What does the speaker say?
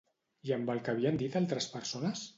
I amb el que havien dit altres persones?